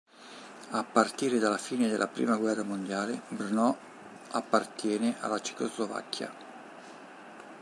A partire dalla fine della prima guerra mondiale, Brno appartiene alla Cecoslovacchia.